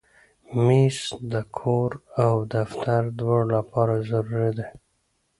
مېز د کور او دفتر دواړو لپاره ضروري دی.